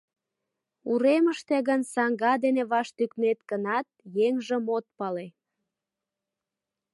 Уремыште гын, саҥга дене ваш тӱкнет гынат, еҥжым от пале.